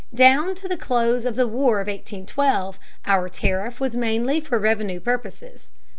Down to the close of the War of 1812 our tariff was mainly for revenue purposes.